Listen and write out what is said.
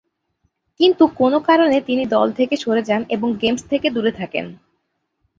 কিন্তু কোনো কারণে তিনি দল থেকে সরে যান এবং গেমস থেকে দূরে থাকেন।